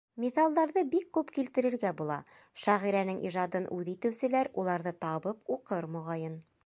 Миҫалдарҙы бик күп килтерергә була, шағирәнең ижадын үҙ итеүселәр уларҙы табып уҡыр, моғайын.